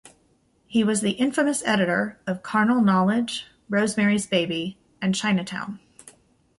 He was the infamous editor of "Carnal Knowledge," "Rosemary's Baby", and "Chinatown".